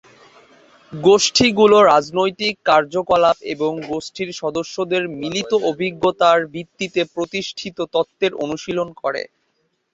গোষ্ঠীগুলো রাজনৈতিক কার্যকলাপ এবং গোষ্ঠীর সদস্যদের মিলিত অভিজ্ঞতার ভিত্তিতে প্রতিষ্ঠিত তত্ত্বের অনুশীলন করে।